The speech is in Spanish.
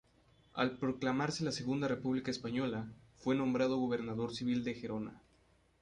Al proclamarse la Segunda República Española, fue nombrado gobernador civil de Gerona.